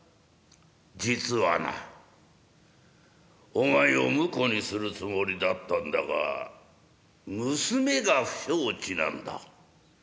『実はなお前を婿にするつもりだったんだが娘が不承知なんだ。